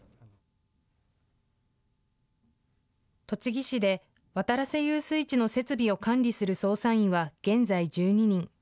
栃木市で渡良瀬遊水地の設備を管理する操作員は現在１２人。